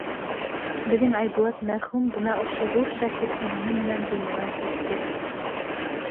Беҙҙең Айбулат мәрхүм бына ошо ҙур шәһит үлеме менән донъянан китте.